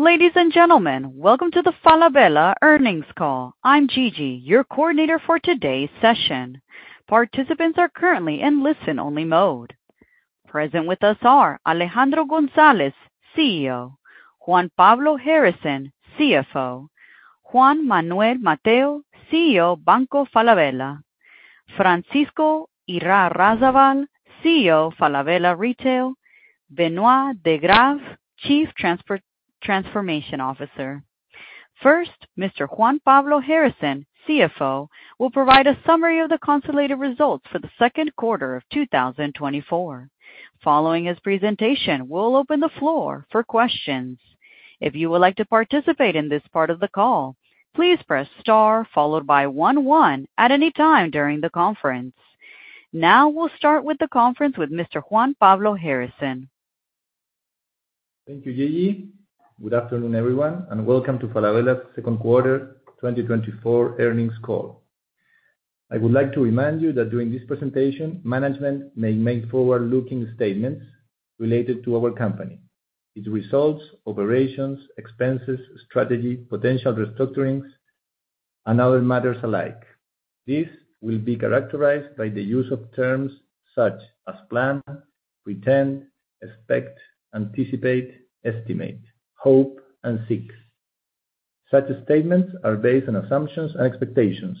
Ladies and gentlemen, welcome to the Falabella earnings call. I'm Gigi, your coordinator for today's session. Participants are currently in listen-only mode. Present with us are Alejandro González, CEO; Juan Pablo Harrison, CFO; Juan Manuel Matheu, CEO, Banco Falabella; Francisco Irarrázabal, CEO, Falabella Retail; Benoit De Graeve, Chief Transformation Officer. First, Mr. Juan Pablo Harrison, CFO, will provide a summary of the consolidated results for the second quarter of two thousand and twenty-four. Following his presentation, we'll open the floor for questions. If you would like to participate in this part of the call, please press star followed by one one at any time during the conference. Now, we'll start with the conference with Mr. Juan Pablo Harrison. Thank you, Gigi. Good afternoon, everyone, and welcome to Falabella's second quarter twenty twenty-four earnings call. I would like to remind you that during this presentation, management may make forward-looking statements related to our company, its results, operations, expenses, strategy, potential restructurings, and other matters alike. This will be characterized by the use of terms such as plan, pretend, expect, anticipate, estimate, hope, and seek. Such statements are based on assumptions and expectations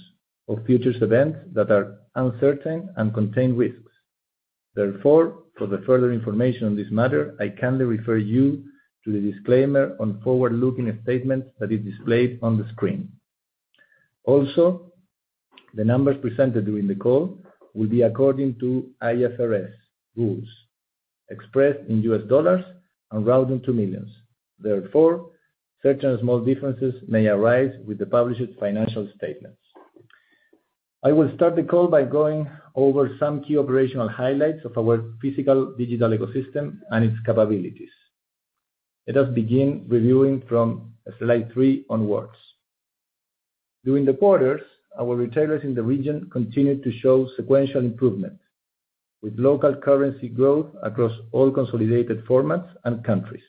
of future events that are uncertain and contain risks. Therefore, for the further information on this matter, I kindly refer you to the disclaimer on forward-looking statements that is displayed on the screen. Also, the numbers presented during the call will be according to IFRS rules, expressed in US dollars and rounded to millions. Therefore, certain small differences may arise with the published financial statements. I will start the call by going over some key operational highlights of our physical digital ecosystem and its capabilities. Let us begin reviewing from slide three onwards. During the quarters, our retailers in the region continued to show sequential improvement, with local currency growth across all consolidated formats and countries.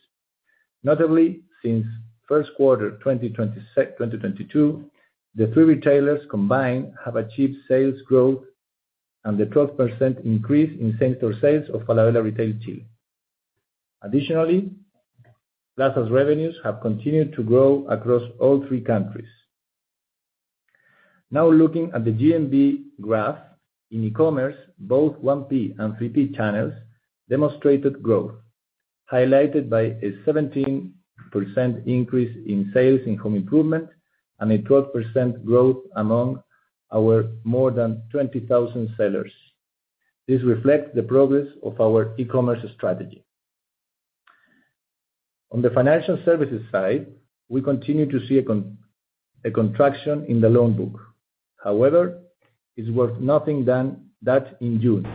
Notably, since first quarter 2022, the three retailers combined have achieved sales growth and a 12% increase in same store sales of Falabella Retail Chile. Additionally, Plaza's revenues have continued to grow across all three countries. Now, looking at the GMV graph, in e-commerce, both 1P and 3P channels demonstrated growth, highlighted by a 17% increase in sales in home improvement and a 12% growth among our more than 20,000 sellers. This reflects the progress of our e-commerce strategy. On the financial services side, we continue to see a contraction in the loan book. However, it's worth noting that in June,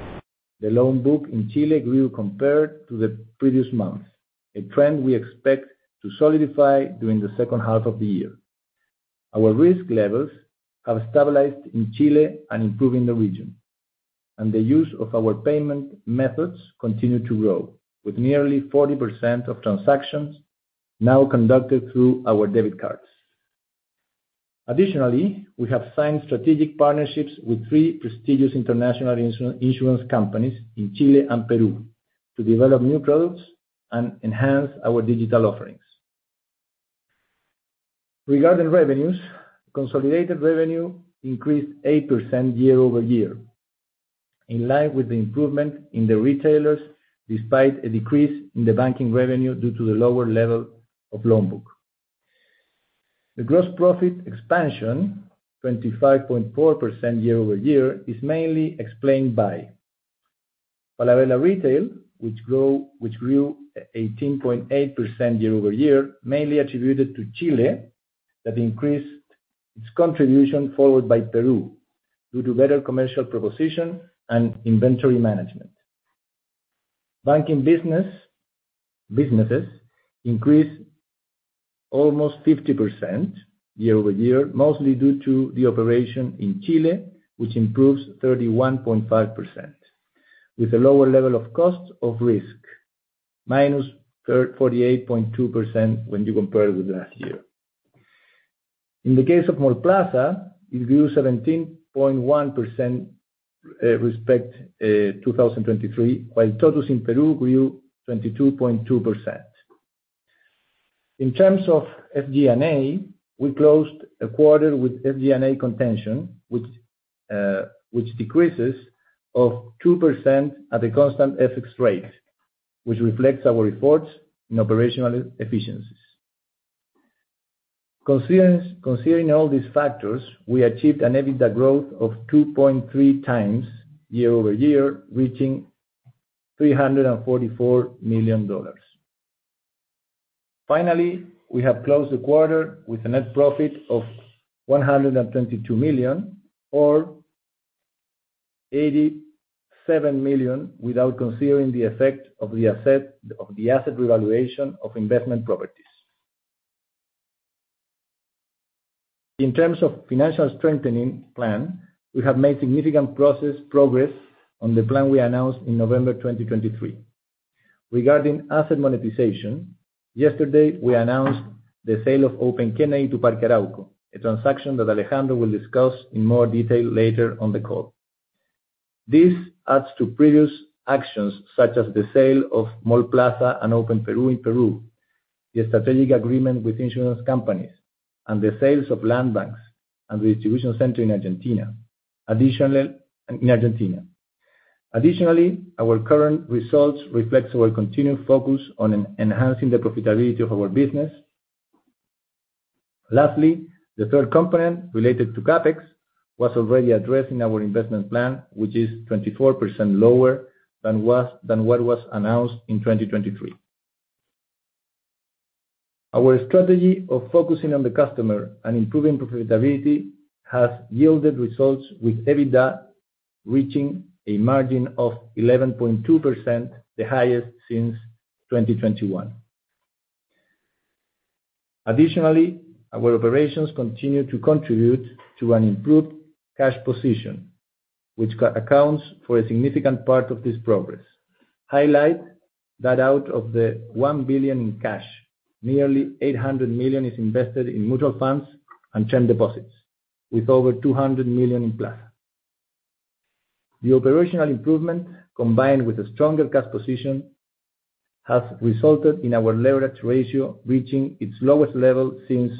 the loan book in Chile grew compared to the previous months, a trend we expect to solidify during the second half of the year. Our risk levels have stabilized in Chile and are improving in the region, and the use of our payment methods continues to grow, with nearly 40% of transactions now conducted through our debit cards. Additionally, we have signed strategic partnerships with three prestigious international insurance companies in Chile and Peru to develop new products and enhance our digital offerings. Regarding revenues, consolidated revenue increased 8% year-over-year, in line with the improvement in the retailers, despite a decrease in the banking revenue due to the lower level of loan book. The gross profit expansion, 25.4% year-over-year, is mainly explained by Falabella Retail, which grew 18.8% year-over-year, mainly attributed to Chile, that increased its contribution, followed by Peru, due to better commercial proposition and inventory management. Banking businesses increased almost 50% year-over-year, mostly due to the operation in Chile, which improves 31.5%, with a lower level of cost of risk, minus forty-eight point two percent when you compare with last year. In the case of Mallplaza, it grew 17.1% respect to 2023, while Tottus in Peru grew 22.2%. In terms of SG&A, we closed a quarter with SG&A contention, which decreases 2% at a constant FX rate, which reflects our efforts in operational efficiencies. Considering all these factors, we achieved an EBITDA growth of 2.3 times year-over-year, reaching $344 million. Finally, we have closed the quarter with a net profit of $122 million, or $87 million, without considering the effect of the asset revaluation of investment properties. In terms of financial strengthening plan, we have made significant progress on the plan we announced in November 2023. Regarding asset monetization, yesterday, we announced the sale of Open Kennedy to Parque Arauco, a transaction that Alejandro will discuss in more detail later on the call. This adds to previous actions, such as the sale of Mallplaza and Open Plaza in Peru, the strategic agreement with insurance companies, and the sales of land banks and distribution center in Argentina. Additionally, in Argentina. Additionally, our current results reflects our continued focus on enhancing the profitability of our business. Lastly, the third component related to CapEx was already addressed in our investment plan, which is 24% lower than what was announced in 2023. Our strategy of focusing on the customer and improving profitability has yielded results, with EBITDA reaching a margin of 11.2%, the highest since 2021. Additionally, our operations continue to contribute to an improved cash position, which accounts for a significant part of this progress. Highlight that out of the $1 billion in cash, nearly $800 million is invested in mutual funds and term deposits, with over $200 million in plazos. The operational improvement, combined with a stronger cash position, has resulted in our leverage ratio reaching its lowest level since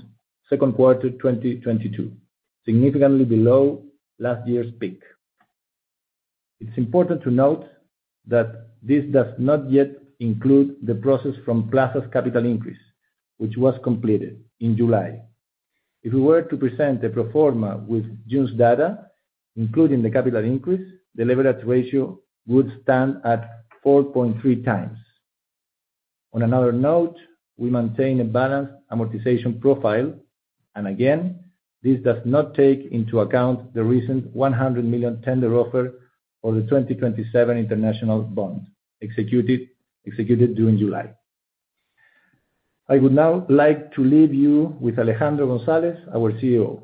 second quarter 2022, significantly below last year's peak. It's important to note that this does not yet include the process from Plaza's capital increase, which was completed in July. If we were to present a pro forma with June's data, including the capital increase, the leverage ratio would stand at four point three times. On another note, we maintain a balanced amortization profile, and again, this does not take into account the recent 100 million tender offer for the 2027 international bond, executed during July. I would now like to leave you with Alejandro González, our CEO.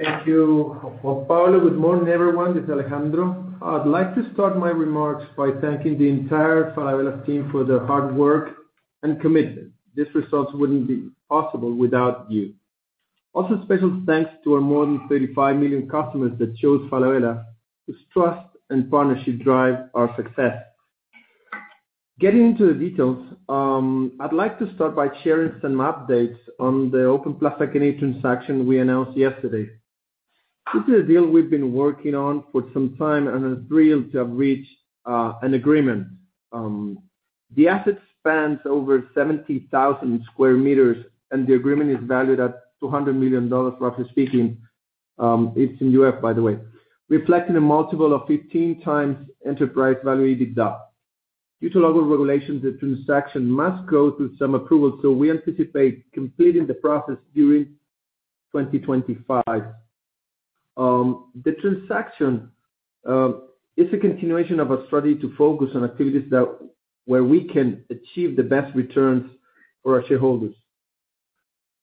Thank you, Juan Pablo. Good morning, everyone, this is Alejandro. I'd like to start my remarks by thanking the entire Falabella team for their hard work and commitment. These results wouldn't be possible without you. Also, special thanks to our more than 35 million customers that chose Falabella, whose trust and partnership drive our success. Getting into the details, I'd like to start by sharing some updates on the Open Plaza transaction we announced yesterday. This is a deal we've been working on for some time, and are thrilled to have reached an agreement. The asset spans over 70,000 square meters, and the agreement is valued at $200 million, roughly speaking. It's in USD, by the way, reflecting a multiple of 15 times enterprise value EBITDA. Due to local regulations, the transaction must go through some approvals, so we anticipate completing the process during 2025. The transaction is a continuation of our strategy to focus on activities that where we can achieve the best returns for our shareholders.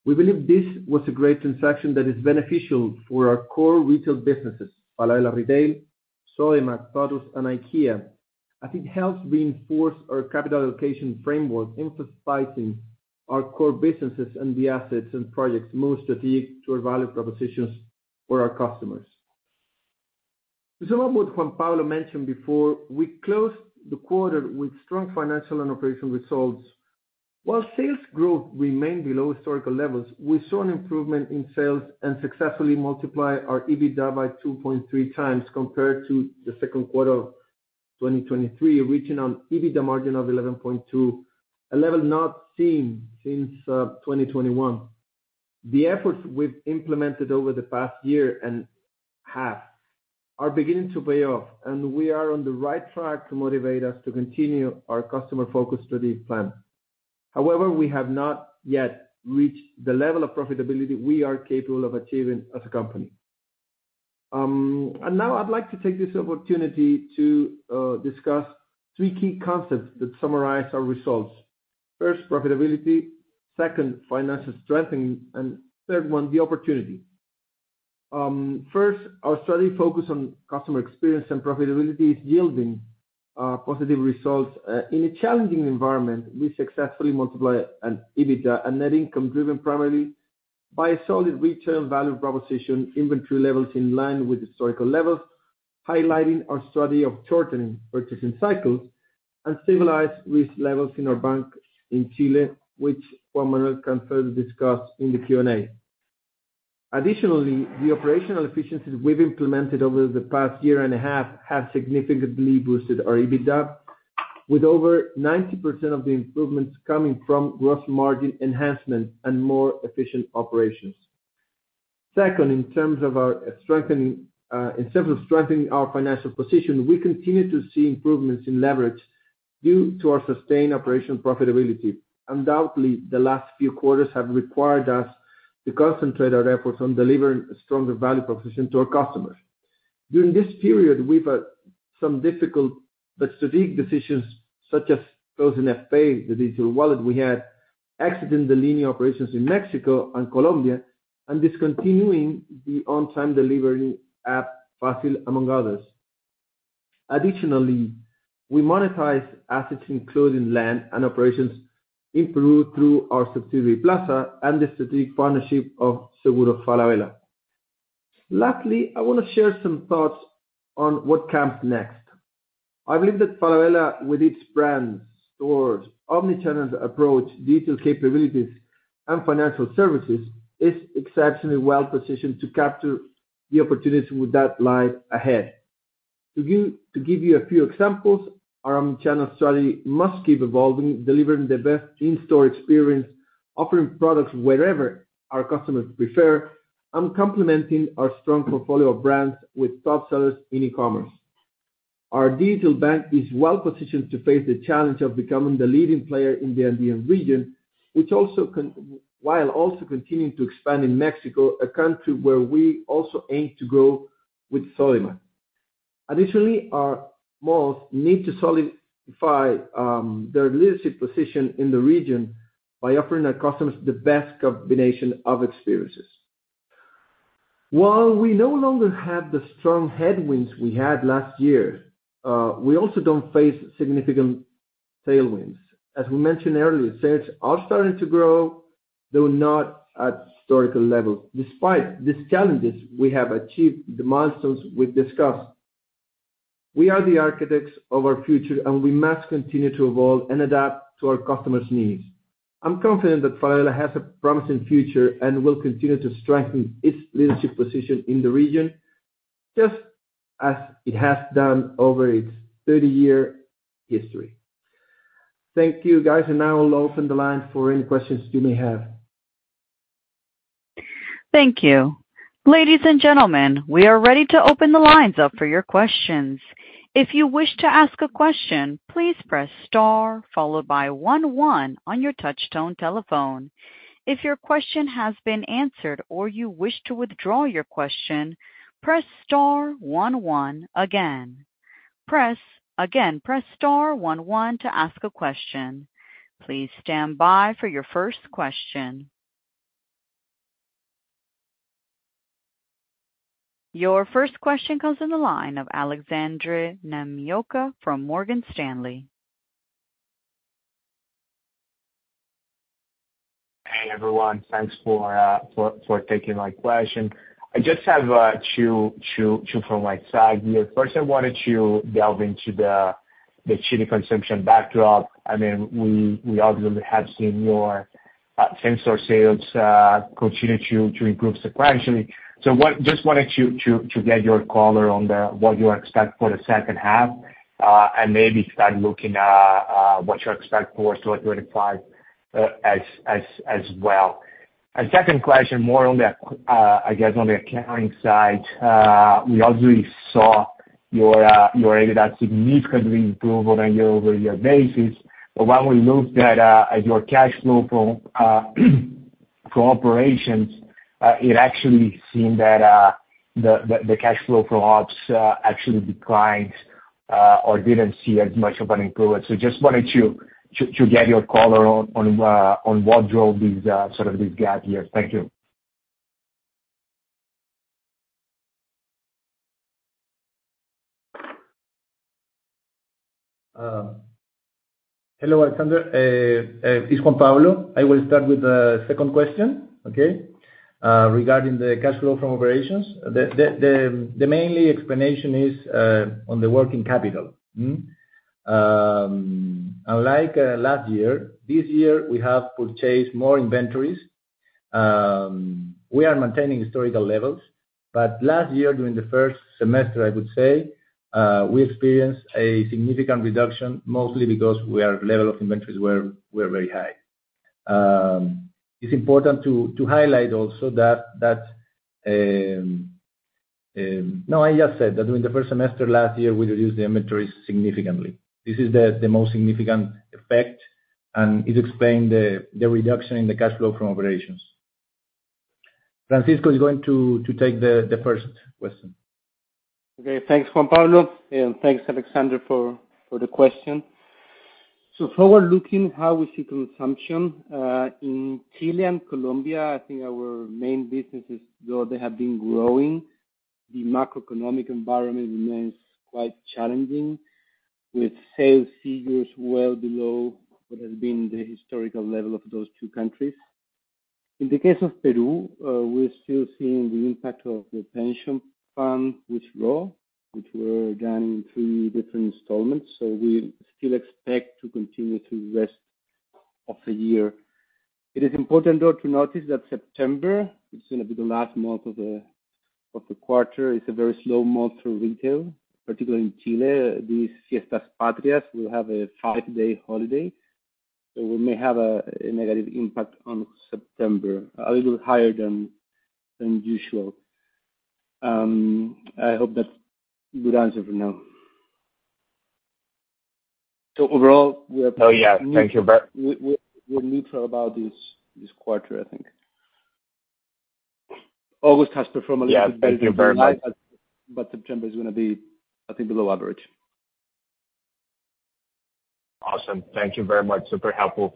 We believe this was a great transaction that is beneficial for our core retail businesses, Falabella Retail, Sodimac, Tottus, and IKEA. I think it helps reinforce our capital allocation framework, emphasizing our core businesses and the assets and projects most strategic to our value propositions for our customers. So what Juan Pablo mentioned before, we closed the quarter with strong financial and operational results. While sales growth remained below historical levels, we saw an improvement in sales and successfully multiply our EBITDA by 2.3 times compared to the second quarter of 2023, reaching an EBITDA margin of 11.2%, a level not seen since 2021. The efforts we've implemented over the past year and half are beginning to pay off, and we are on the right track to motivate us to continue our customer-focused strategic plan. However, we have not yet reached the level of profitability we are capable of achieving as a company. And now I'd like to take this opportunity to discuss three key concepts that summarize our results. First, profitability, second, financial strengthening, and third one, the opportunity. First, our strategy focus on customer experience and profitability is yielding positive results. In a challenging environment, we successfully multiplied our EBITDA and net income driven primarily by a solid return value proposition, inventory levels in line with historical levels, highlighting our strategy of shortening purchasing cycles and stabilize risk levels in our bank in Chile, which Juan Manuel can further discuss in the Q&A. Additionally, the operational efficiencies we've implemented over the past year and a half have significantly boosted our EBITDA, with over 90% of the improvements coming from gross margin enhancement and more efficient operations. Second, in terms of our strengthening, in terms of strengthening our financial position, we continue to see improvements in leverage due to our sustained operational profitability. Undoubtedly, the last few quarters have required us to concentrate our efforts on delivering a stronger value proposition to our customers. During this period, we've some difficult but strategic decisions, such as closing Fpay, the digital wallet we had, exiting the Linio operations in Mexico and Colombia, and discontinuing the on-demand delivery app, Fazil, among others. Additionally, we monetized assets, including land and operations in Peru through our subsidiary, Plaza, and the strategic partnership of Seguros Falabella. Lastly, I wanna share some thoughts on what comes next. I believe that Falabella, with its brands, stores, omni-channel approach, digital capabilities, and financial services, is exceptionally well-positioned to capture the opportunities with that lie ahead. To give you a few examples, our omni-channel strategy must keep evolving, delivering the best in-store experience, offering products wherever our customers prefer, and complementing our strong portfolio of brands with top sellers in e-commerce. Our digital bank is well positioned to face the challenge of becoming the leading player in the Andean region, which also while also continuing to expand in Mexico, a country where we also aim to grow with Sodimac. Additionally, our malls need to solidify their leadership position in the region by offering our customers the best combination of experiences. While we no longer have the strong headwinds we had last year, we also don't face significant tailwinds. As we mentioned earlier, sales are starting to grow, though not at historical levels. Despite these challenges, we have achieved the milestones we've discussed. We are the architects of our future, and we must continue to evolve and adapt to our customers' needs. I'm confident that Falabella has a promising future and will continue to strengthen its leadership position in the region, just as it has done over its thirty-year history. Thank you, guys, and now I'll open the line for any questions you may have. Thank you. Ladies and gentlemen, we are ready to open the lines up for your questions. If you wish to ask a question, please press star, followed by one one on your touchtone telephone. If your question has been answered or you wish to withdraw your question, press star one one again. Again, press star one one to ask a question. Please stand by for your first question. Your first question comes from the line of Alexandre Numaoka from Morgan Stanley. Hey, everyone. Thanks for taking my question. I just have two from my side here. First, I wanted to delve into the Chile consumption backdrop. I mean, we obviously have seen your same store sales continue to improve sequentially. So just wanted to get your color on what you expect for the second half, and maybe start looking what you expect for sort of twenty-five, as well. And second question, more on the, I guess, on the accounting side. We obviously saw your EBITDA significantly improve on a year-over-year basis. But when we look at your cash flow from operations, it actually seemed that the cash flow from ops actually declined or didn't see as much of an improvement. So just wanted to get your color on what drove this sort of gap here. Thank you. Hello, Alexandre. It's Juan Pablo. I will start with the second question, okay? Regarding the cash flow from operations. The mainly explanation is on the working capital. Mm-hmm. Unlike last year, this year we have purchased more inventories. We are maintaining historical levels, but last year, during the first semester, I would say we experienced a significant reduction, mostly because level of inventories were very high. It's important to highlight also that. No, I just said that during the first semester last year, we reduced the inventories significantly. This is the most significant effect, and it explained the reduction in the cash flow from operations. Francisco is going to take the first question. Okay. Thanks, Juan Pablo, and thanks, Alexandre, for the question. So forward looking, how we see consumption in Chile and Colombia, I think our main businesses, though they have been growing, the macroeconomic environment remains quite challenging, with sales figures well below what has been the historical level of those two countries. In the case of Peru, we're still seeing the impact of the pension fund withdraw, which were done in three different installments, so we still expect to continue through the rest of the year. It is important, though, to notice that September, it's gonna be the last month of the quarter. It's a very slow month for retail, particularly in Chile. This Fiestas Patrias will have a five-day holiday, so we may have a negative impact on September, a little higher than usual. I hope that's a good answer for now.... So overall, we are- Oh, yeah. Thank you, but- We're neutral about this quarter, I think. August has performed a little bit- Yeah, thank you very much. But September is gonna be, I think, below average. Awesome. Thank you very much. Super helpful.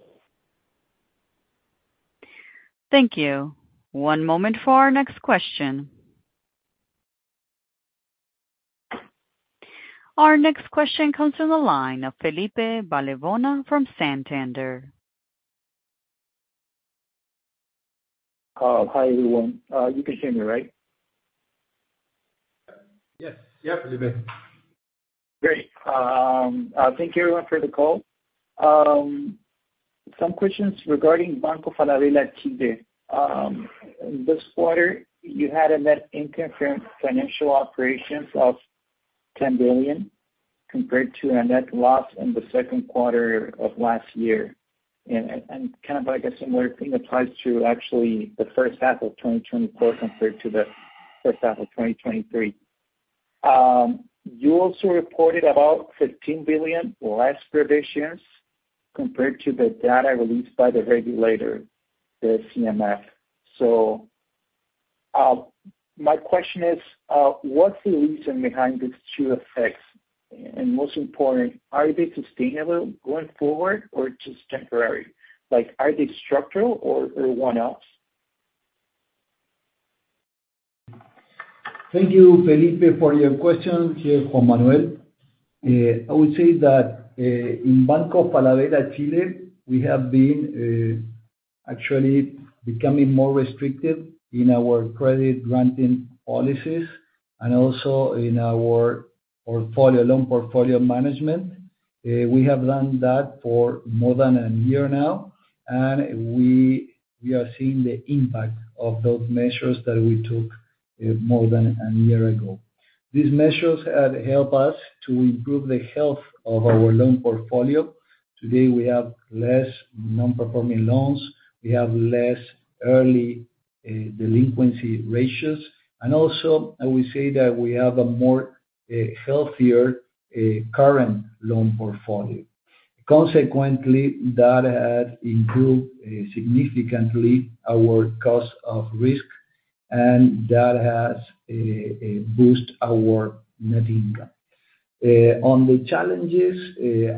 Thank you. One moment for our next question. Our next question comes from the line of Felipe Barahona from Santander. Hi, everyone. You can hear me, right? Yes. Yep, Felipe. Great. Thank you everyone for the call. Some questions regarding Banco Falabella Chile. This quarter, you had a net income from financial operations of 10 billion, compared to a net loss in the second quarter of last year. And kind of like a similar thing applies to actually the first half of 2024 compared to the first half of 2023. You also reported about 15 billion less provisions compared to the data released by the regulator, the CMF. My question is, what's the reason behind these two effects? And most important, are they sustainable going forward, or just temporary? Like, are they structural or one-offs? Thank you, Felipe, for your question. Here, Juan Manuel. I would say that, in Banco Falabella Chile, we have been, actually becoming more restricted in our credit granting policies, and also in our portfolio, loan portfolio management. We have done that for more than a year now, and we are seeing the impact of those measures that we took, more than a year ago. These measures have helped us to improve the health of our loan portfolio. Today, we have less non-performing loans, we have less early delinquency ratios, and also I would say that we have a more healthier current loan portfolio. Consequently, that has improved significantly our cost of risk, and that has boost our net income. On the challenges,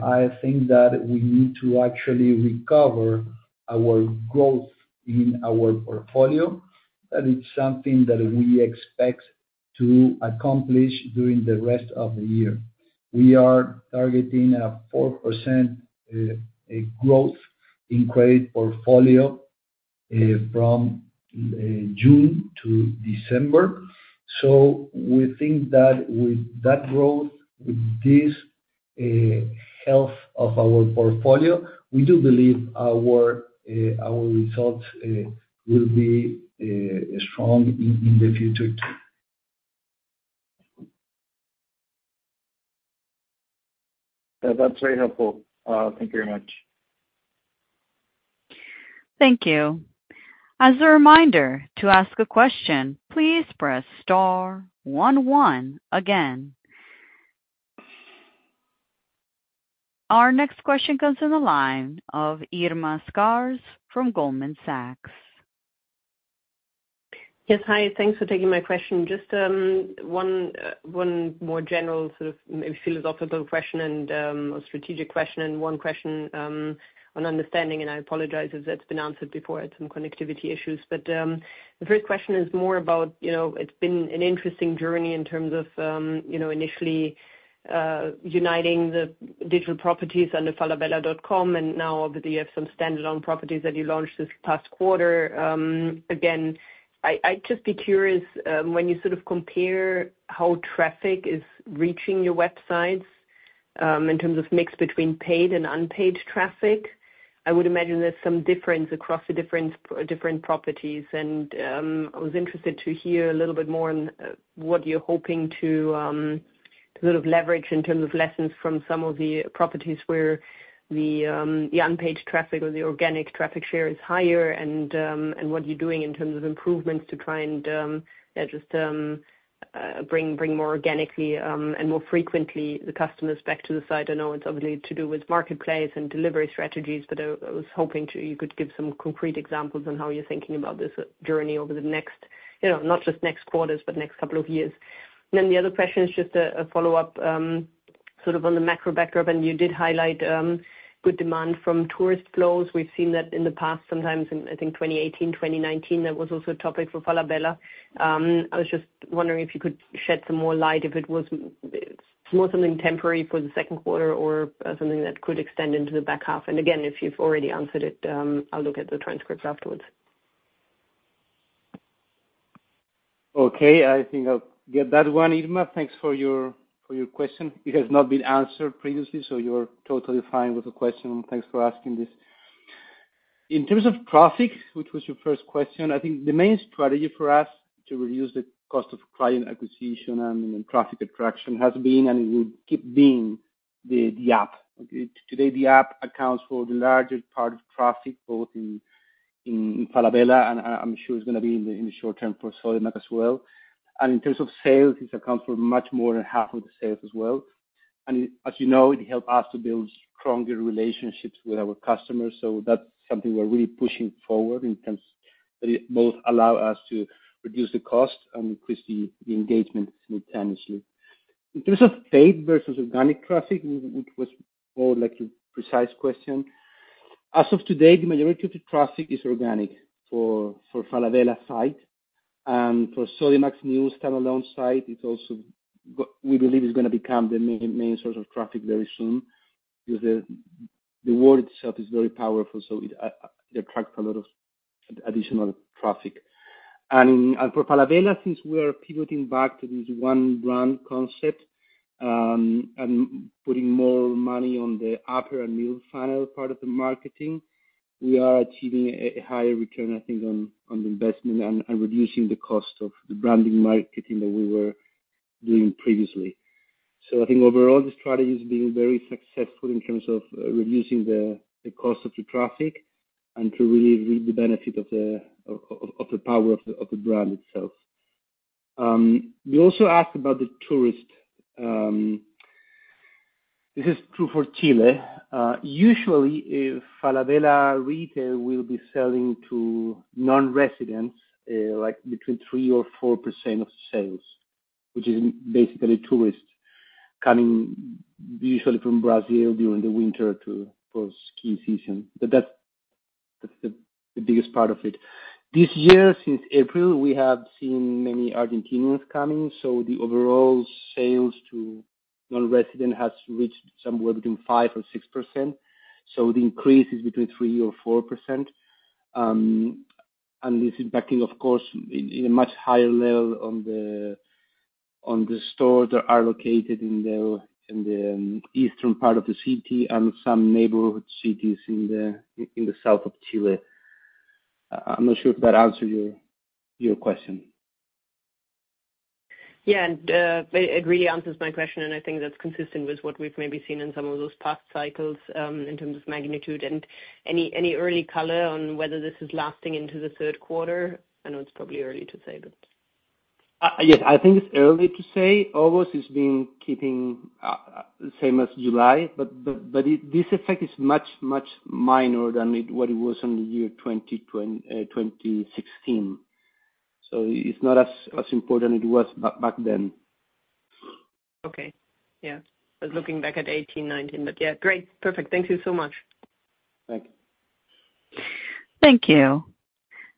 I think that we need to actually recover our growth in our portfolio. That is something that we expect to accomplish during the rest of the year. We are targeting a 4% growth in credit portfolio from June to December. So we think that with that growth, with this health of our portfolio, we do believe our results will be strong in the future too. That's very helpful. Thank you very much. Thank you. As a reminder, to ask a question, please press star one one again. Our next question comes in the line of Irma Sgarz from Goldman Sachs. Yes, hi. Thanks for taking my question. Just one more general sort of maybe philosophical question and a strategic question, and one question on understanding, and I apologize if that's been answered before. I had some connectivity issues. But the first question is more about, you know, it's been an interesting journey in terms of, you know, initially uniting the digital properties under Falabella.com, and now obviously you have some standalone properties that you launched this past quarter. Again, I'd just be curious when you sort of compare how traffic is reaching your websites in terms of mix between paid and unpaid traffic. I would imagine there's some difference across the different properties. I was interested to hear a little bit more on what you're hoping to sort of leverage in terms of lessons from some of the properties where the unpaid traffic or the organic traffic share is higher, and what you're doing in terms of improvements to try and just bring more organically and more frequently the customers back to the site. I know it's obviously to do with marketplace and delivery strategies, but I was hoping you could give some concrete examples on how you're thinking about this journey over the next, you know, not just next quarters, but next couple of years. The other question is just a follow-up sort of on the macro backdrop, and you did highlight good demand from tourist flows. We've seen that in the past, sometimes in, I think 2018, 2019, that was also a topic for Falabella. I was just wondering if you could shed some more light, if it was more something temporary for the second quarter, or, something that could extend into the back half? And again, if you've already answered it, I'll look at the transcripts afterwards. Okay, I think I'll get that one, Irma. Thanks for your, for your question. It has not been answered previously, so you're totally fine with the question. Thanks for asking this. In terms of traffic, which was your first question, I think the main strategy for us to reduce the cost of client acquisition and traffic attraction has been, and it will keep being, the, the app. Okay? Today, the app accounts for the largest part of traffic, both in-... in Falabella, and I'm sure it's gonna be in the short term for Sodimac as well. In terms of sales, this accounts for much more than half of the sales as well, and as you know, it help us to build stronger relationships with our customers, so that's something we're really pushing forward, but it both allow us to reduce the cost and increase the engagement simultaneously. In terms of paid versus organic traffic, which was more like a precise question, as of today, the majority of the traffic is organic for Falabella site, and for Sodimac new standalone site, it's also we believe it's gonna become the main source of traffic very soon, because the word itself is very powerful, so it attract a lot of additional traffic. For Falabella, since we are pivoting back to this one brand concept, and putting more money on the upper and middle funnel part of the marketing, we are achieving a higher return, I think, on the investment and reducing the cost of the branding marketing that we were doing previously. I think overall, the strategy is being very successful in terms of reducing the cost of the traffic, and to really reap the benefit of the power of the brand itself. You also asked about the tourist. This is true for Chile. Usually, Falabella Retail will be selling to non-residents, like between 3%-4% of sales, which is basically tourists coming usually from Brazil during the winter to for ski season. But that's the biggest part of it. This year, since April, we have seen many Argentinians coming, so the overall sales to non-resident has reached somewhere between 5% and 6%. So the increase is between 3% or 4%. And it's impacting, of course, in a much higher level on the stores that are located in the eastern part of the city and some neighborhood cities in the south of Chile. I'm not sure if that answer your question. Yeah, and it really answers my question, and I think that's consistent with what we've maybe seen in some of those past cycles in terms of magnitude. And any early color on whether this is lasting into the third quarter? I know it's probably early to say, but. Yes, I think it's early to say. August has been keeping the same as July, but this effect is much minor than what it was in the year 2016. So it's not as important as it was back then. Okay. Yeah. I was looking back at 2018, 2019, but yeah, great. Perfect. Thank you so much. Thank you. Thank you.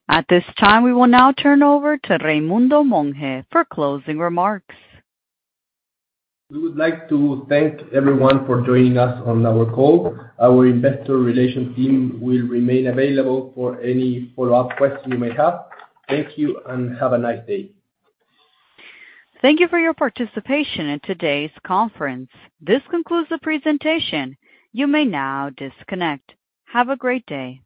At this time, we will now turn over to Raimundo Monge for closing remarks. We would like to thank everyone for joining us on our call. Our investor relations team will remain available for any follow-up questions you may have. Thank you, and have a nice day. Thank you for your participation in today's conference. This concludes the presentation. You may now disconnect. Have a great day.